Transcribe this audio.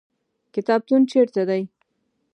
کتابتون چیرته دی؟